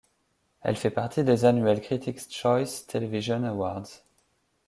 Elle fait partie des annuels Critics' Choice Television Awards.